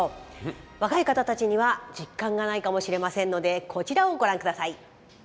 若い方たちには実感がないかもしれませんのでこちらをご覧ください。